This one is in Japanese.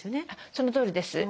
そのとおりです。